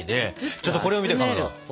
ちょっとこれ見てかまど。